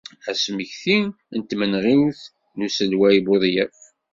Asmekti n tmenɣiwt n uselway Bouḍyaf.